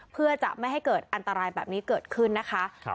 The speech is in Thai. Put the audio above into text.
เพื่อจะไม่ให้เกิดอันตรายแบบนี้เกิดขึ้นนะคะ